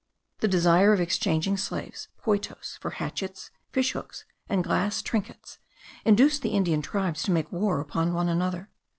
The desire of exchanging slaves (poitos) for hatchets, fish hooks, and glass trinkets, induced the Indian tribes to make war upon one another.